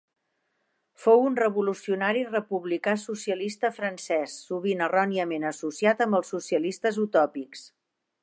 Fou un revolucionari republicà socialista francès, sovint erròniament associat amb els socialistes utòpics.